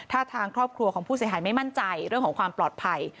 ถ้าทางครอบครัวของผู้เสียหายไม่มั่นใจเรื่องของความปลอดภัย